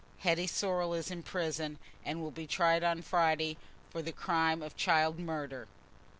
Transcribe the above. "Hetty Sorrel is in prison, and will be tried on Friday for the crime of child murder."...